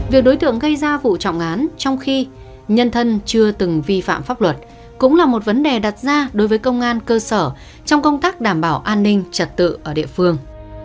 việc đối tượng gây ra vụ trọng án trong khi nhân thân chưa từng vi phạm pháp luật cũng là một vấn đề đặt ra đối với công an cơ sở trong công tác đảm bảo an ninh trật tự ở địa phương